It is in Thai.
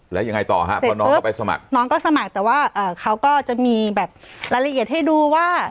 แล้วยังไงต่อฮะพอน้องเขาไปสมัครน้องก็สมัครแต่ว่าเขาก็จะมีแบบรายละเอียดให้ดูว่า